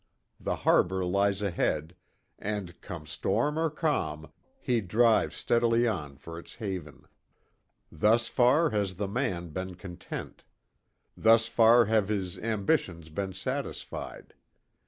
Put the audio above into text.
The harbor lies ahead, and, come storm or calm, he drives steadily on for its haven. Thus far has the man been content. Thus far have his ambitions been satisfied.